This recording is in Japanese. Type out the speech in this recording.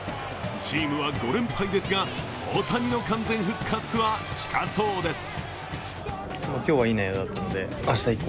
チームは５連敗ですが、大谷の完全復活は近そうです。